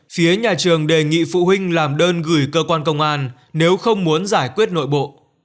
phía nhà trường đề nghị phụ huynh làm đơn gửi cơ quan công an nếu không muốn giải quyết nội bộ